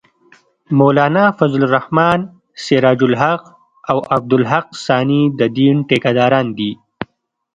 مولانا فضل الرحمن ، سراج الحق او عبدالحق ثاني د دین ټېکه داران دي